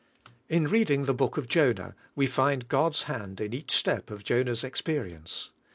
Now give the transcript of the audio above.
In reading the Book of Jonah, we find God's hand in each step of Jonah's experience.